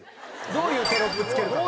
どういうテロップつけるかとか。